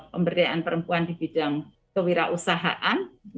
pemberdayaan perempuan di bidang kewirausahaan